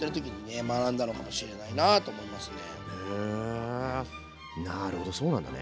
なるほどそうなんだね。